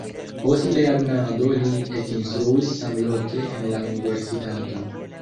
Post lernado li ekinstruis samloke en la universitato.